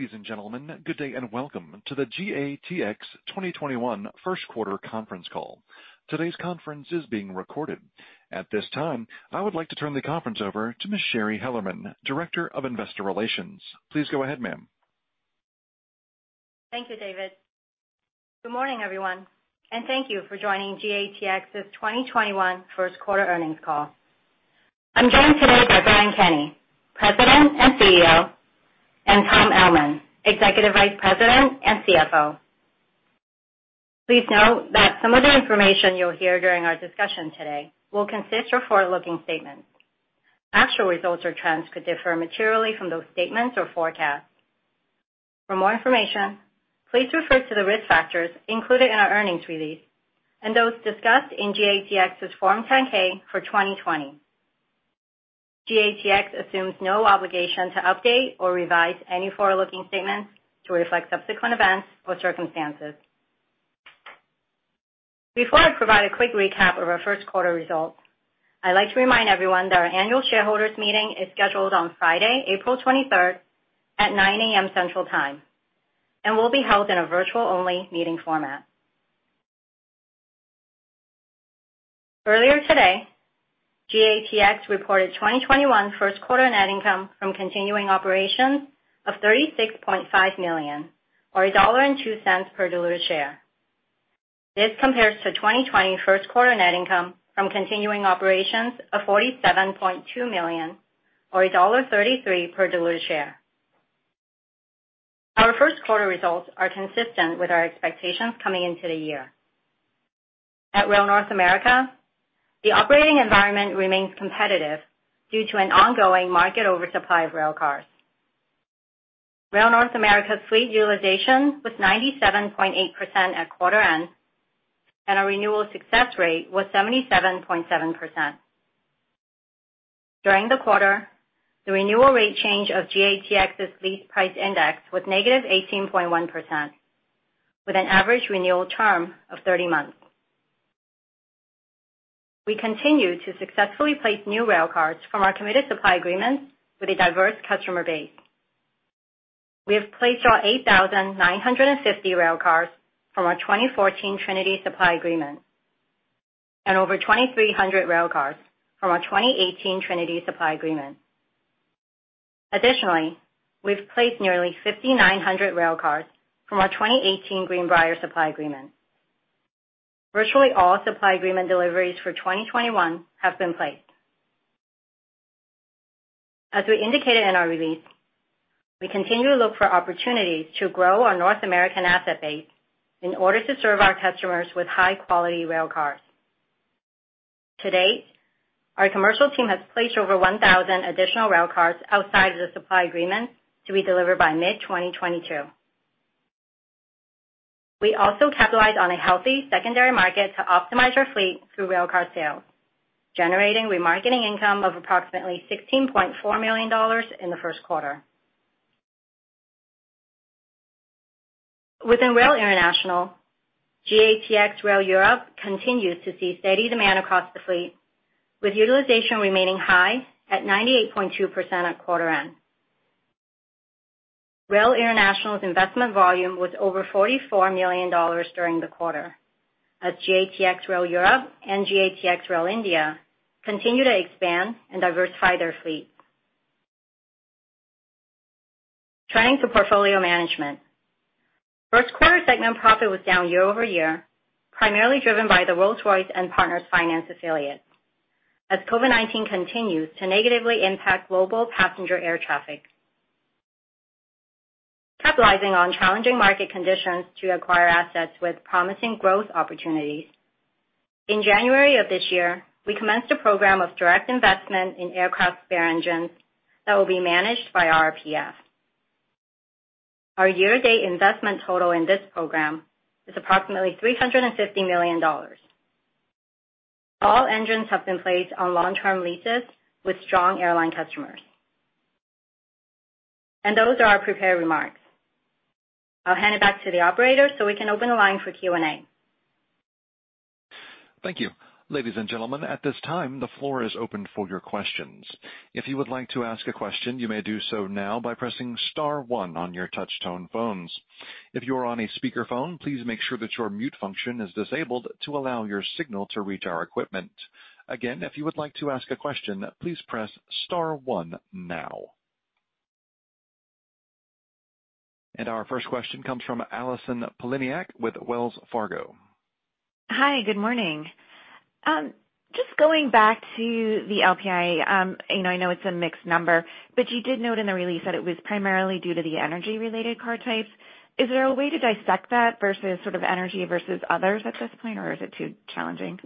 Ladies and gentlemen, good day. Welcome to the GATX 2021 first quarter conference call. Today's conference is being recorded. At this time, I would like to turn the conference over to Ms. Shari Hellerman, Director of Investor Relations. Please go ahead, ma'am. Thank you, David. Good morning, everyone, and thank you for joining GATX's 2021 first quarter earnings call. I'm joined today by Brian Kenney, President and CEO, and Tom Ellman, Executive Vice President and CFO. Please note that some of the information you'll hear during our discussion today will consist of forward-looking statements. Actual results or trends could differ materially from those statements or forecasts. For more information, please refer to the risk factors included in our earnings release and those discussed in GATX's Form 10-K for 2020. GATX assumes no obligation to update or revise any forward-looking statements to reflect subsequent events or circumstances. Before I provide a quick recap of our first quarter results, I'd like to remind everyone that our Annual Shareholders Meeting is scheduled on Friday, April 23rd at 9:00 A.M. Central Time and will be held in a virtual-only meeting format. Earlier today, GATX reported 2021 first quarter net income from continuing operations of $36.5 million, or $1.02 per diluted share. This compares to 2020 first quarter net income from continuing operations of $47.2 million, or $1.33 per diluted share. Our first quarter results are consistent with our expectations coming into the year. At Rail North America, the operating environment remains competitive due to an ongoing market oversupply of railcars. Rail North America's fleet utilization was 97.8% at quarter end, and our renewal success rate was 77.7%. During the quarter, the renewal rate change of GATX's lease price index was -18.1%, with an average renewal term of 30 months. We continue to successfully place new railcars from our committed supply agreements with a diverse customer base. We have placed our 8,950 railcars from our 2014 Trinity supply agreement and over 2,300 railcars from our 2018 Trinity supply agreement. Additionally, we've placed nearly 5,900 railcars from our 2018 Greenbrier supply agreement. Virtually all supply agreement deliveries for 2021 have been placed. As we indicated in our release, we continue to look for opportunities to grow our North American asset base in order to serve our customers with high-quality railcars. To date, our commercial team has placed over 1,000 additional railcars outside of the supply agreement to be delivered by mid-2022. We also capitalize on a healthy secondary market to optimize our fleet through railcar sales, generating remarketing income of approximately $16.4 million in the first quarter. Within Rail International, GATX Rail Europe continues to see steady demand across the fleet, with utilization remaining high at 98.2% at quarter end. Rail International's investment volume was over $44 million during the quarter as GATX Rail Europe and GATX Rail India continue to expand and diversify their fleet. Turning to portfolio management. First quarter segment profit was down year-over-year, primarily driven by the Rolls-Royce and Partners Finance affiliate as COVID-19 continues to negatively impact global passenger air traffic. Capitalizing on challenging market conditions to acquire assets with promising growth opportunities, in January of this year, we commenced a program of direct investment in aircraft spare engines that will be managed by RRPF. Our year-to-date investment total in this program is approximately $350 million. All engines have been placed on long-term leases with strong airline customers. Those are our prepared remarks. I'll hand it back to the operator so we can open the line for Q&A. Thank you. Ladies and gentlemen, at this time, the floor is open for your questions. If you would like to ask a question, you may do so now by pressing star one on your touch tone phones. If you are on a speakerphone, please make sure that your mute function is disabled to allow your signal to reach our equipment. Again, if you would like to ask a question, please press star one now. Our first question Hi. Good morning. Just going back to the LPI. I know it's a mixed number, but you did note in the release that it was primarily due to the energy-related car types. Is there a way to dissect that versus sort of energy versus others at this point, or is it too challenging?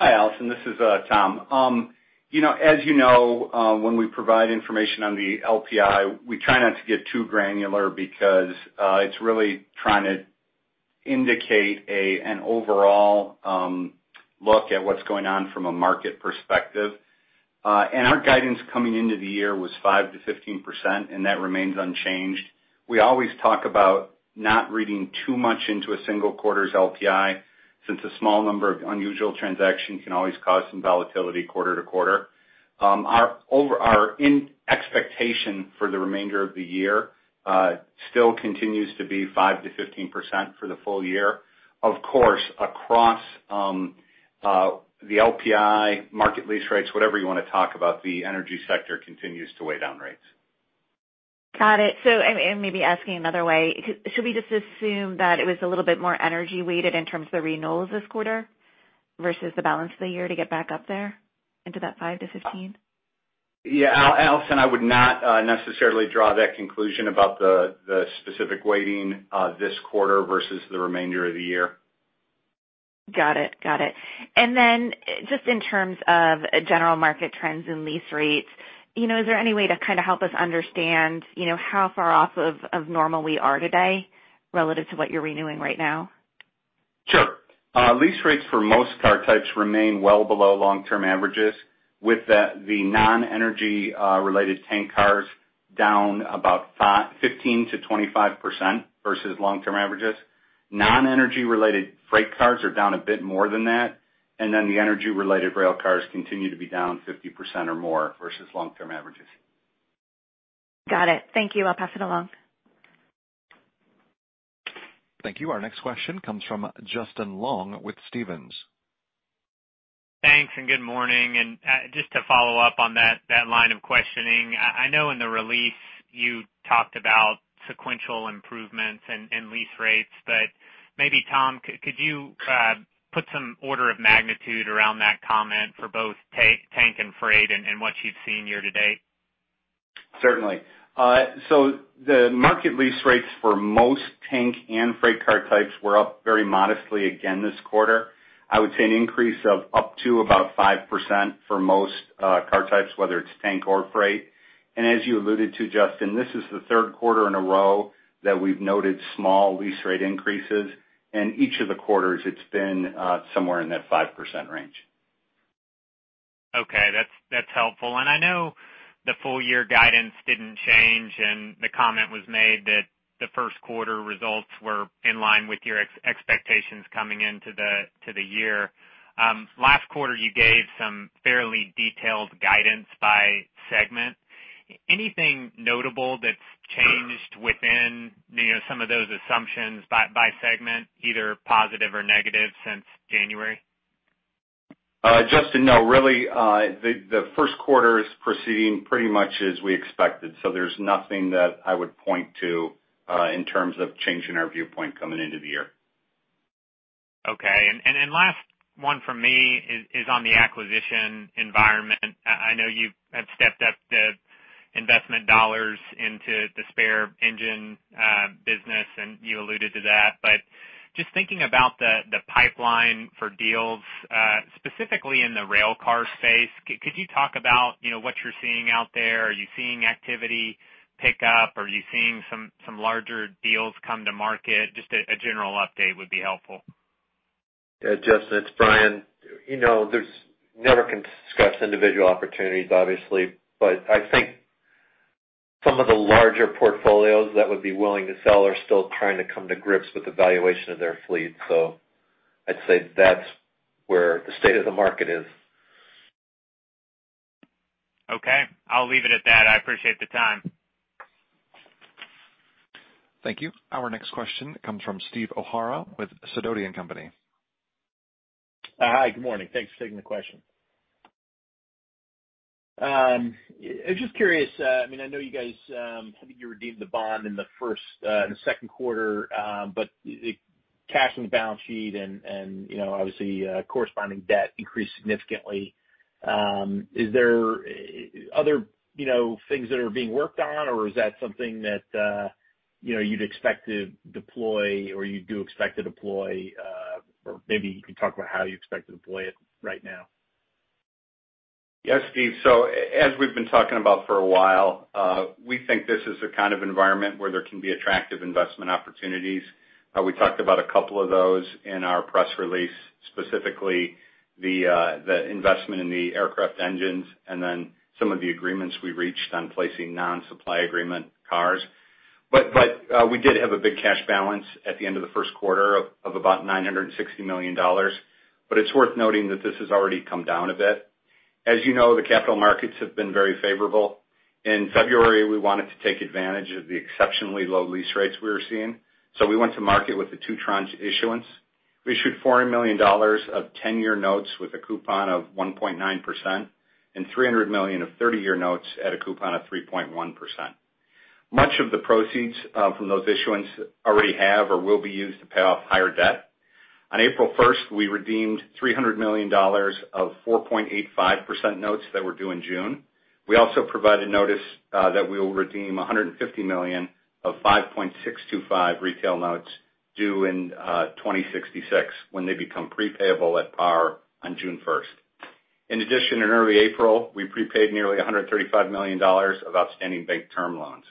Hi, Allison. This is Tom. As you know, when we provide information on the LPI, we try not to get too granular because it's really trying to indicate an overall look at what's going on from a market perspective. Our guidance coming into the year was 5%-15%, and that remains unchanged. We always talk about not reading too much into a single quarter's LPI, since a small number of unusual transactions can always cause some volatility quarter to quarter. Our expectation for the remainder of the year still continues to be 5%-15% for the full year. Of course, across the LPI market lease rates, whatever you want to talk about, the energy sector continues to weigh down rates. Got it. Maybe asking another way, should we just assume that it was a little bit more energy weighted in terms of the renewals this quarter versus the balance of the year to get back up there into that 5%-15%? Yeah, Allison, I would not necessarily draw that conclusion about the specific weighting this quarter versus the remainder of the year. Got it. Then just in terms of general market trends and lease rates, is there any way to kind of help us understand how far off of normal we are today relative to what you're renewing right now? Sure. Lease rates for most car types remain well below long-term averages, with the non-energy related tank cars down about 15%-25% versus long-term averages. Non-energy related freight cars are down a bit more than that. The energy related rail cars continue to be down 50% or more versus long-term averages. Got it. Thank you. I'll pass it along. Thank you. Our next question comes from Justin Long with Stephens. Thanks, and good morning. Just to follow up on that line of questioning, I know in the release you talked about sequential improvements in lease rates, but maybe, Tom, could you put some order of magnitude around that comment for both tank and freight and what you've seen year to date? Certainly. The market lease rates for most tank and freight car types were up very modestly again this quarter. I would say an increase of up to about 5% for most car types, whether it's tank or freight. As you alluded to, Justin, this is the third quarter in a row that we've noted small lease rate increases, and each of the quarters it's been somewhere in that 5% range. Okay. That's helpful. I know the full year guidance didn't change, and the comment was made that the first quarter results were in line with your expectations coming into the year. Last quarter you gave some fairly detailed guidance by segment. Anything notable that's changed within some of those assumptions by segment, either positive or negative, since January? Justin, no, really, the first quarter is proceeding pretty much as we expected. There's nothing that I would point to, in terms of change in our viewpoint coming into the year. Okay. Last one from me is on the acquisition environment. I know you have stepped up the investment dollars into the spare engine business, and you alluded to that, but just thinking about the pipeline for deals, specifically in the railcar space, could you talk about what you're seeing out there? Are you seeing activity pick up? Are you seeing some larger deals come to market? Just a general update would be helpful. Yeah, Justin, it's Brian. There's never discuss individual opportunities, obviously, but I think some of the larger portfolios that would be willing to sell are still trying to come to grips with the valuation of their fleet. I'd say that's where the state of the market is. Okay. I'll leave it at that. I appreciate the time. Thank you. Our next question comes from Steve O'Hara with Sidoti & Company. Hi. Good morning. Thanks for taking the question. I was just curious, I know you guys, I think you redeemed the bond in the second quarter. The cash on the balance sheet and obviously corresponding debt increased significantly. Is there other things that are being worked on or is that something that you'd expect to deploy or you do expect to deploy? Maybe you can talk about how you expect to deploy it right now? Yes, Steve. As we've been talking about for a while, we think this is the kind of environment where there can be attractive investment opportunities. We talked about a couple of those in our press release, specifically the investment in the aircraft engines and then some of the agreements we reached on placing non-supply agreement cars. We did have a big cash balance at the end of the first quarter of about $960 million, but it's worth noting that this has already come down a bit. As you know, the capital markets have been very favorable. In February, we wanted to take advantage of the exceptionally low lease rates we were seeing. We went to market with the two tranche issuance. We issued $400 million of 10-year notes with a coupon of 1.9% and $300 million of 30-year notes at a coupon of 3.1%. Much of the proceeds from those issuance already have or will be used to pay off higher debt. On April 1st, we redeemed $300 million of 4.85% notes that were due in June. We also provided notice that we will redeem $150 million of 5.625 retail notes due in 2066 when they become pre-payable at par on June 1st. In addition, in early April, we prepaid nearly $135 million of outstanding bank term loans.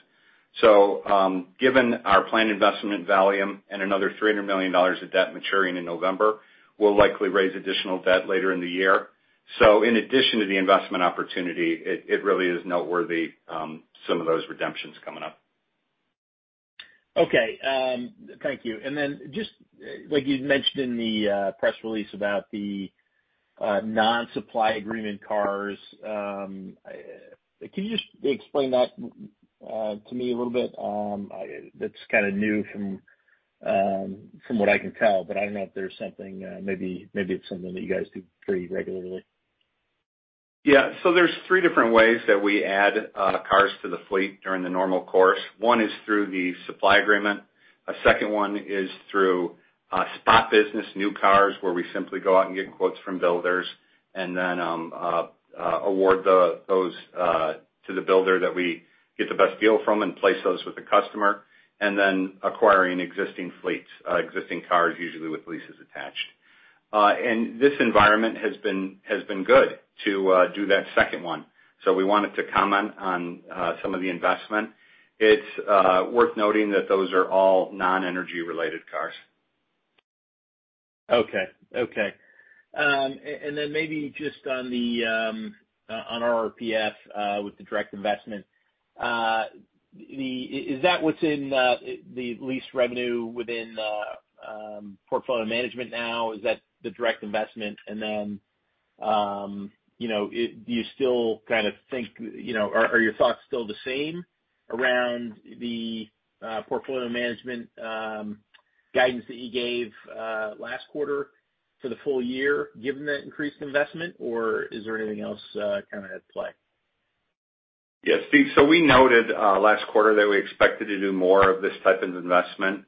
Given our planned investment in volume and another $300 million of debt maturing in November, we'll likely raise additional debt later in the year. In addition to the investment opportunity, it really is noteworthy, some of those redemptions coming up. Okay. Thank you. Just like you'd mentioned in the press release about the non-supply agreement cars, can you just explain that to me a little bit? That's kind of new from what I can tell, but I don't know if there's something, maybe it's something that you guys do pretty regularly. Yeah. There's three different ways that we add cars to the fleet during the normal course. One is through the supply agreement. A second one is through spot business, new cars, where we simply go out and get quotes from builders and then award those to the builder that we get the best deal from and place those with the customer. Then acquiring existing fleets, existing cars, usually with leases attached. This environment has been good to do that second one. We wanted to comment on some of the investment. It's worth noting that those are all non-energy related cars. Okay. Maybe just on RRF with the direct investment. Is that what's in the lease revenue within the portfolio management now? Is that the direct investment? Are your thoughts still the same around the portfolio management guidance that you gave last quarter for the full year given that increased investment, or is there anything else kind of at play? Yeah, Steve, we noted last quarter that we expected to do more of this type of investment.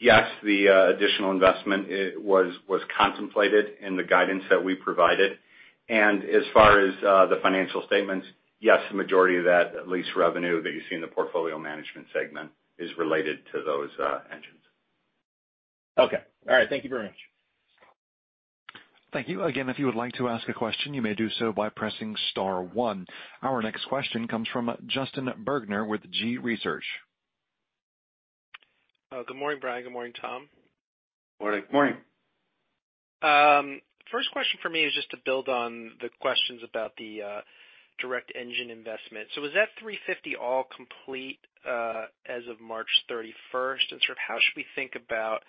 Yes, the additional investment was contemplated in the guidance that we provided. As far as the financial statements, yes, the majority of that lease revenue that you see in the portfolio management segment is related to those engines. Okay. All right. Thank you very much. Thank you. If you would like to ask a question, you may do so by pressing star one. Our next question comes from Justin Bergner with Gabelli Research. Good morning, Brian. Good morning, Tom. Morning. Morning. First question for me is just to build on the questions about the direct engine investment. Was that $350 all complete as of March 31st? Sort of how should we think about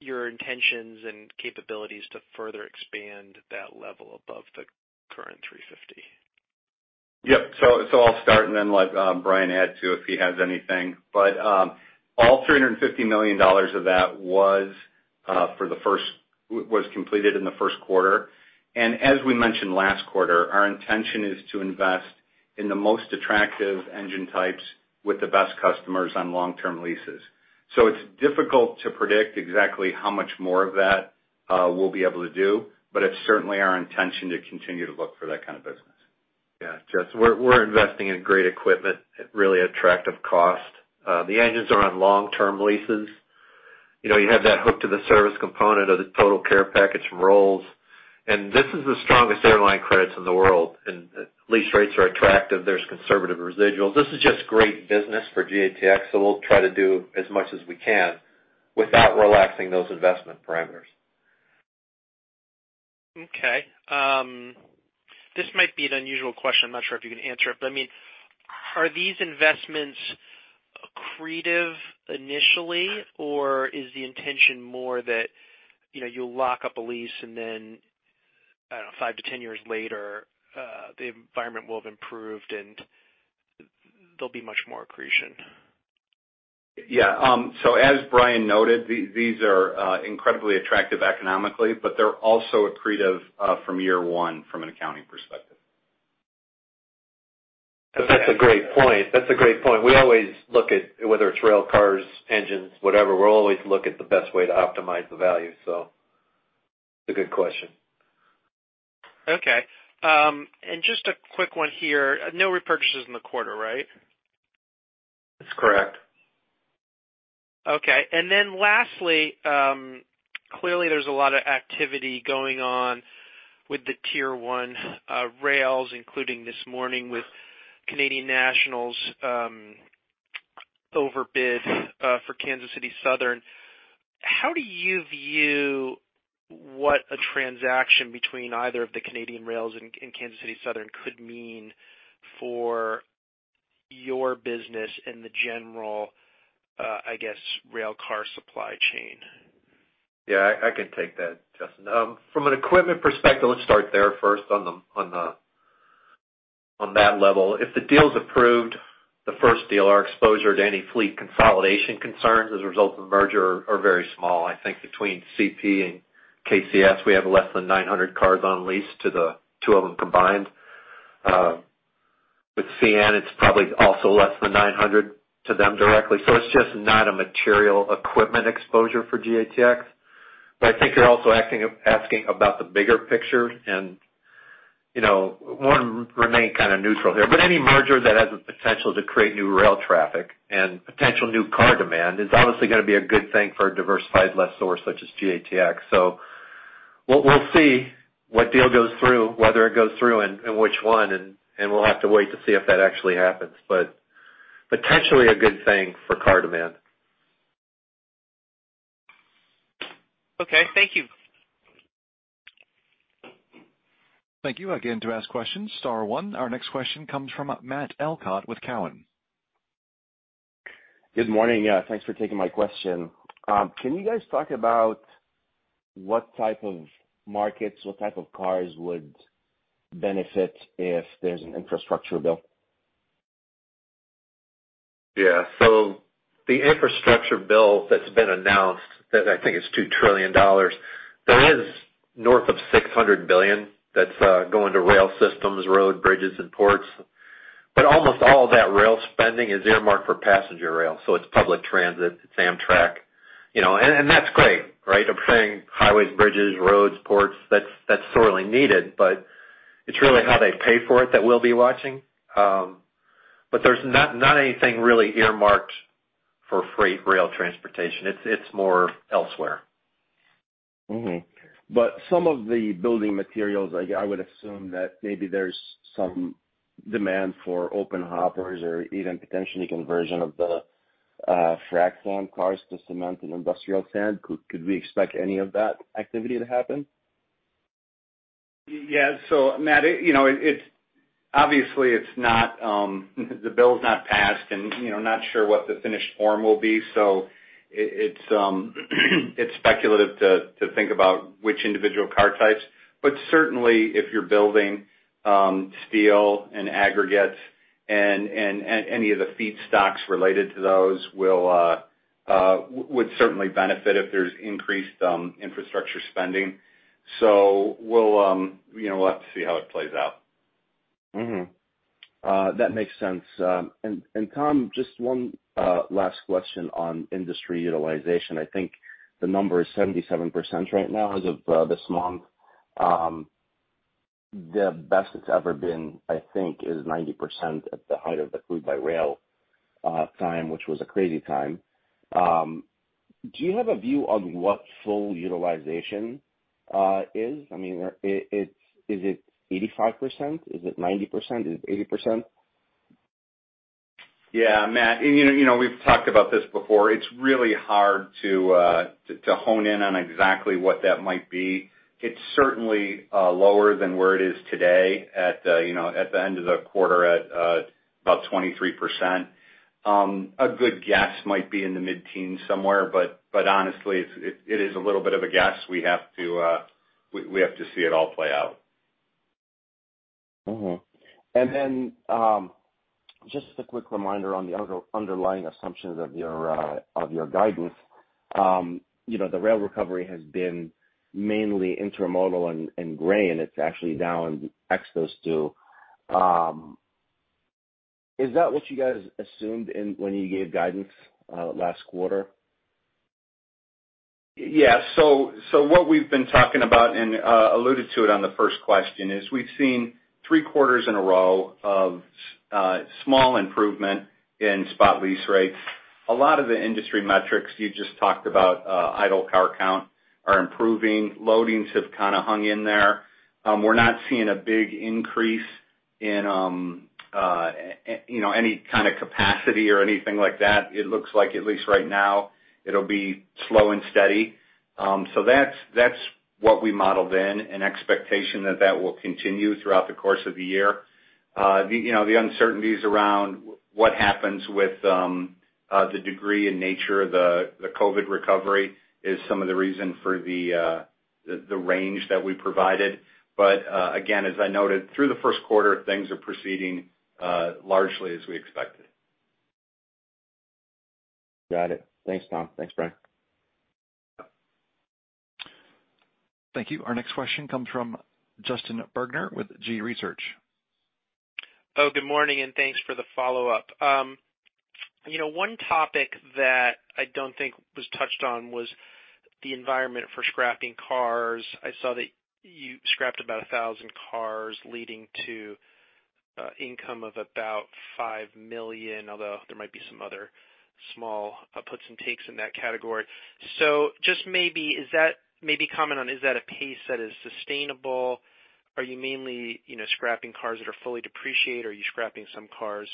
your intentions and capabilities to further expand that level above the current $350? Yep. I'll start and then let Brian add to, if he has anything. All $350 million of that was completed in the first quarter. As we mentioned last quarter, our intention is to invest in the most attractive engine types with the best customers on long-term leases. It's difficult to predict exactly how much more of that we'll be able to do, but it's certainly our intention to continue to look for that kind of business. Yeah, Justin, we're investing in great equipment at really attractive cost. The engines are on long-term leases. You have that hook to the service component of the total care package from Rolls. This is the strongest airline credits in the world. Lease rates are attractive. There's conservative residuals. This is just great business for GATX. We'll try to do as much as we can without relaxing those investment parameters. Okay. This might be an unusual question. I'm not sure if you can answer it, but are these investments accretive initially, or is the intention more that you'll lock up a lease and then, I don't know, 5 to 10 years later, the environment will have improved and there'll be much more accretion? Yeah. As Brian noted, these are incredibly attractive economically, but they're also accretive from year one from an accounting perspective. That's a great point. We always look at whether it's railcars, engines, whatever, we'll always look at the best way to optimize the value. It's a good question. Okay. Just a quick one here. No repurchases in the quarter, right? That's correct. Okay. Lastly, clearly there's a lot of activity going on with the tier 1 rails, including this morning with Canadian National's overbid for Kansas City Southern. How do you view what a transaction between either of the Canadian rails and Kansas City Southern could mean for your business and the general, I guess, railcar supply chain? Yeah, I can take that, Justin. From an equipment perspective, let's start there first on that level. If the deal's approved, the first deal, our exposure to any fleet consolidation concerns as a result of the merger are very small. I think between CP and KCS, we have less than 900 cars on lease to the two of them combined. With CN, it's probably also less than 900 to them directly. It's just not a material equipment exposure for GATX. I think you're also asking about the bigger picture, and we want to remain kind of neutral here, but any merger that has the potential to create new rail traffic and potential new car demand is obviously going to be a good thing for a diversified lessor such as GATX. We'll see what deal goes through, whether it goes through and which one, and we'll have to wait to see if that actually happens. Potentially a good thing for car demand. Okay. Thank you. Thank you. Again, to ask questions, star one. Our next question comes from Matt Elkott with Cowen. Good morning. Thanks for taking my question. Can you guys talk about what type of markets, what type of cars would benefit if there's an infrastructure bill? Yeah. The infrastructure bill that's been announced, that I think is $2 trillion, there is north of $600 billion that's going to rail systems, road, bridges, and ports. Almost all that rail spending is earmarked for passenger rail. It's public transit, it's Amtrak. That's great, right? I'm saying highways, bridges, roads, ports, that's sorely needed, but it's really how they pay for it that we'll be watching. There's not anything really earmarked for freight rail transportation. It's more elsewhere. Mm-hmm. Some of the building materials, I would assume that maybe there's some demand for open hoppers or even potentially conversion of the frac sand cars to cement and industrial sand. Could we expect any of that activity to happen? Yeah. Matt, obviously, the bill's not passed and not sure what the finished form will be, so it's speculative to think about which individual car types. Certainly, if you're building steel and aggregates and any of the feedstocks related to those would certainly benefit if there's increased infrastructure spending. We'll have to see how it plays out. Mm-hmm. That makes sense. Tom, just one last question on industry utilization. I think the number is 77% right now as of this month. The best it's ever been, I think, is 90% at the height of the crude by rail time, which was a crazy time. Do you have a view on what full utilization is? Is it 85%? Is it 90%? Is it 80%? Yeah. Matt, we've talked about this before. It's really hard to hone in on exactly what that might be. It's certainly lower than where it is today at the end of the quarter at about 23%. A good guess might be in the mid-teens somewhere, but honestly, it is a little bit of a guess. We have to see it all play out. Just a quick reminder on the underlying assumptions of your guidance. The rail recovery has been mainly intermodal and grain, and it's actually down ex those two. Is that what you guys assumed when you gave guidance last quarter? What we've been talking about, and alluded to it on the first question, is we've seen three quarters in a row of small improvement in spot lease rates. A lot of the industry metrics you just talked about, idle car count, are improving. Loadings have kind of hung in there. We are not seeing a big increase in any kind of capacity or anything like that. It looks like at least right now, it'll be slow and steady. That's what we modeled in, an expectation that that will continue throughout the course of the year. The uncertainties around what happens with the degree and nature of the COVID recovery is some of the reason for the range that we provided. Again, as I noted, through the first quarter, things are proceeding largely as we expected. Got it. Thanks, Tom. Thanks, Brian. Thank you. Our next question comes from Justin Bergner with Gabelli Research. Good morning, thanks for the follow-up. One topic that I don't think was touched on was the environment for scrapping cars. I saw that you scrapped about 1,000 cars, leading to income of about $5 million, although there might be some other small puts and takes in that category. Maybe comment on, is that a pace that is sustainable? Are you mainly scrapping cars that are fully depreciated, or are you scrapping some cars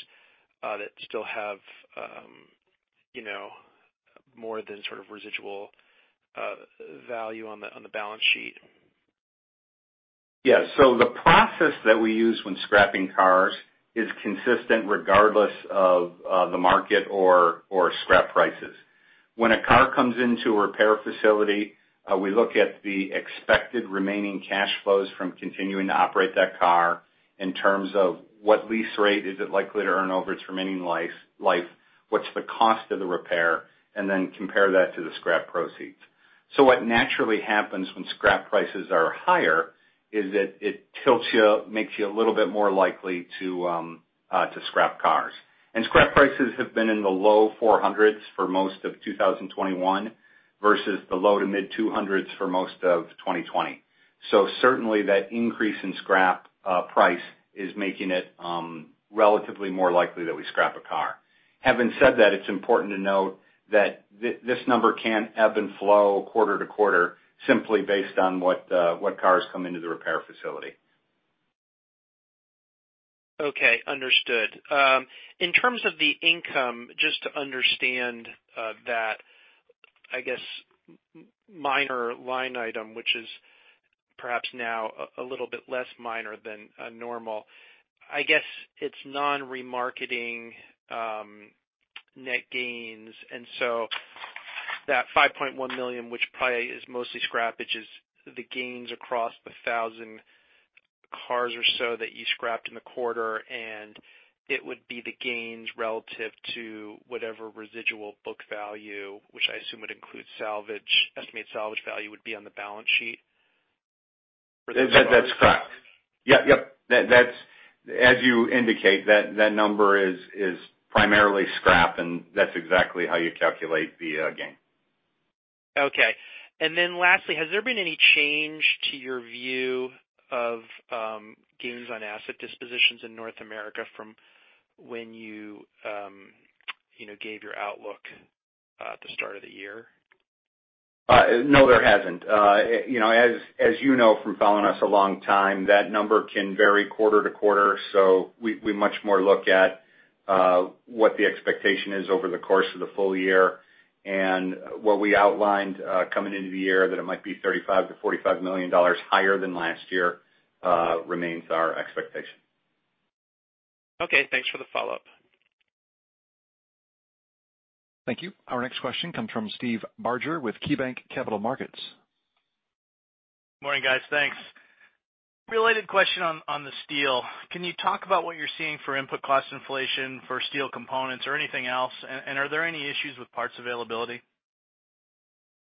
that still have more than sort of residual value on the balance sheet? Yeah. The process that we use when scrapping cars is consistent regardless of the market or scrap prices. When a car comes into a repair facility, we look at the expected remaining cash flows from continuing to operate that car in terms of what lease rate is it likely to earn over its remaining life, what's the cost of the repair, and then compare that to the scrap proceeds. What naturally happens when scrap prices are higher is that it tilts you, makes you a little bit more likely to scrap cars. Scrap prices have been in the low $400s for most of 2021 versus the low to mid $200s for most of 2020. Certainly, that increase in scrap price is making it relatively more likely that we scrap a car. Having said that, it's important to note that this number can ebb and flow quarter to quarter simply based on what cars come into the repair facility. Okay. Understood. In terms of the income, just to understand that, I guess, minor line item, which is perhaps now a little bit less minor than normal. I guess it's non-remarketing net gains. That $5.1 million, which probably is mostly scrappage, is the gains across the 1,000 cars or so that you scrapped in the quarter, and it would be the gains relative to whatever residual book value, which I assume would include salvage, estimated salvage value would be on the balance sheet. That's correct. Yep. As you indicate, that number is primarily scrap, and that's exactly how you calculate the gain. Okay. Lastly, has there been any change to your view of gains on asset dispositions in North America from when you gave your outlook at the start of the year? No, there hasn't. As you know from following us a long time, that number can vary quarter to quarter. We much more look at what the expectation is over the course of the full year, and what we outlined coming into the year, that it might be $35 million-$45 million higher than last year remains our expectation. Okay. Thanks for the follow-up. Thank you. Our next question comes from Steve Barger with KeyBanc Capital Markets. Morning, guys. Thanks. Related question on the steel, can you talk about what you're seeing for input cost inflation for steel components or anything else? Are there any issues with parts availability?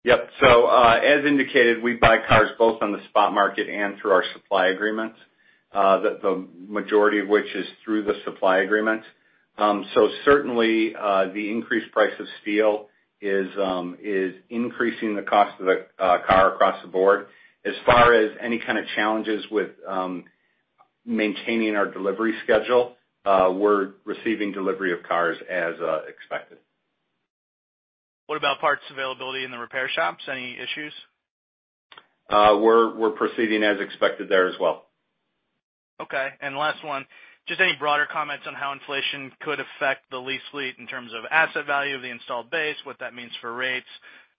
Yep. As indicated, we buy cars both on the spot market and through our supply agreements. The majority of which is through the supply agreement. Certainly, the increased price of steel is increasing the cost of the car across the board. As far as any kind of challenges with maintaining our delivery schedule, we're receiving delivery of cars as expected. What about parts availability in the repair shops? Any issues? We're proceeding as expected there as well. Okay. Last one, just any broader comments on how inflation could affect the lease fleet in terms of asset value of the installed base, what that means for rates?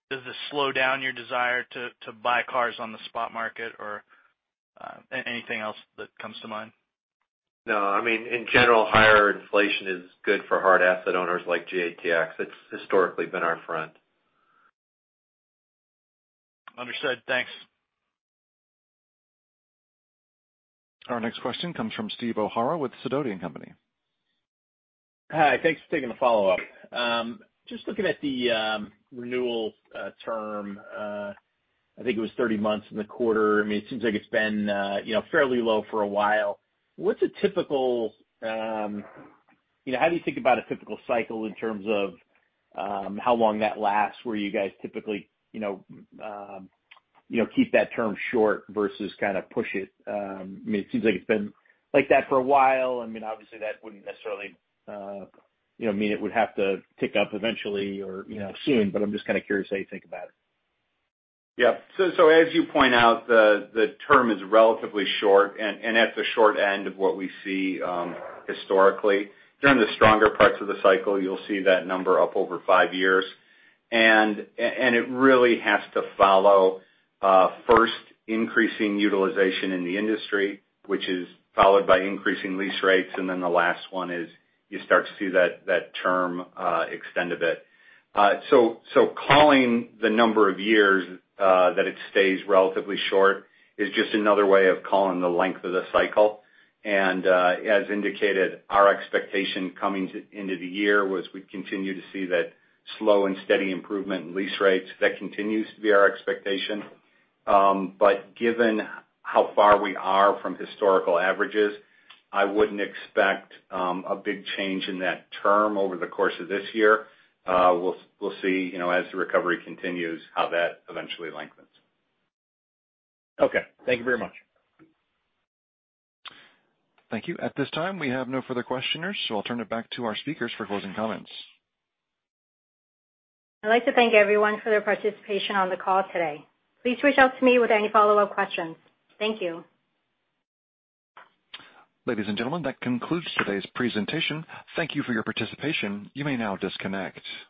Does this slow down your desire to buy cars on the spot market or anything else that comes to mind? No. In general, higher inflation is good for hard asset owners like GATX. It's historically been our friend. Understood. Thanks. Our next question comes from Steve O'Hara with Sidoti & Company. Hi. Thanks for taking the follow-up. Just looking at the renewal term, I think it was 30 months in the quarter. It seems like it's been fairly low for a while. How do you think about a typical cycle in terms of how long that lasts, where you guys typically keep that term short versus kind of push it? It seems like it's been like that for a while. Obviously, that wouldn't necessarily mean it would have to tick up eventually or soon, but I'm just kind of curious how you think about it. As you point out, the term is relatively short and at the short end of what we see historically. During the stronger parts of the cycle, you'll see that number up over five years. It really has to follow first increasing utilization in the industry, which is followed by increasing lease rates, and then the last one is you start to see that term extend a bit. Calling the number of years that it stays relatively short is just another way of calling the length of the cycle. As indicated, our expectation coming into the year was we'd continue to see that slow and steady improvement in lease rates. That continues to be our expectation. Given how far we are from historical averages, I wouldn't expect a big change in that term over the course of this year. We'll see as the recovery continues how that eventually lengthens. Okay. Thank you very much. Thank you. At this time, we have no further questioners. I'll turn it back to our speakers for closing comments. I'd like to thank everyone for their participation on the call today. Please reach out to me with any follow-up questions. Thank you. Ladies and gentlemen, that concludes today's presentation. Thank you for your participation. You may now disconnect.